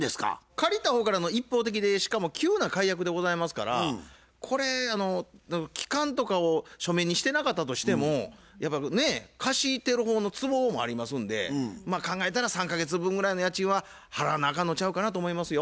借りた方からの一方的でしかも急な解約でございますからこれ期間とかを書面にしてなかったとしてもやっぱ貸してる方の都合もありますんでまあ考えたら３か月分ぐらいの家賃は払わなあかんのちゃうかなと思いますよ。